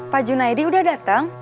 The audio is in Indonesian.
pak junaidi udah datang